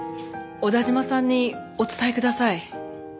小田嶋さんにお伝えください。